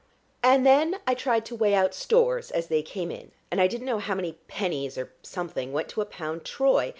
And then I tried to weigh out stores as they came in, and I didn't know how many pennies or something went to a pound Troy.